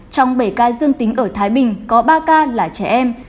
trong bảy ca dương tính ở thái bình có ba ca là trẻ em